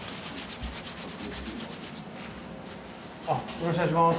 よろしくお願いします。